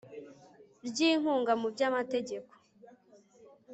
ry inkunga mu by amategeko